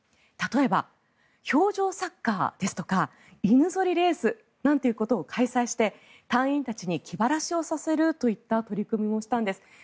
例えば、氷上サッカーですとか犬ぞりレースなんていうことを開催して隊員たちに気晴らしをさせるといった取り組みもしたんです。